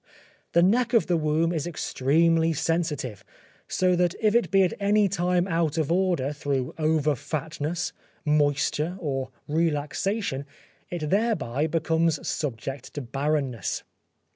The neck of the womb is extremely sensitive, so that if it be at any time out of order through over fatness, moisture or relaxation, it thereby becomes subject to barrenness.